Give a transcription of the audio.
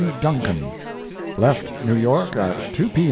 Duncan. Left New York at 2 P.